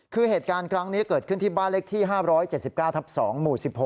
คือเหตุการณ์ครั้งนี้เกิดขึ้นที่บ้านเลขที่๕๗๙ทับ๒หมู่๑๖